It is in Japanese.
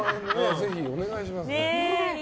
ぜひお願いします。